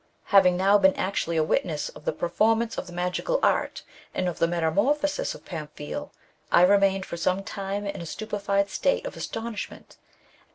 " Having now been actually a witness of the perform ance of the magical art, and of the metamorphosis of Pamphile, I remained for some time in a stupefied state of astonishment.